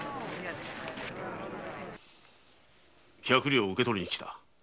百両を受け取りにきた。